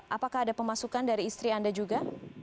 apakah ada pemasukan dari istri anda juga